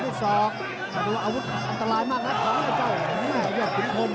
ตำนดสอบแต่ว่าอาวุธอันตรายมากนะของเจ้ามหาวิทยพคุณคม